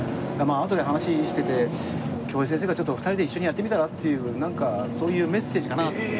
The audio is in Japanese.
まああとで話をしてて京平先生が「２人で一緒にやってみたら？」っていうなんかそういうメッセージかなっていう。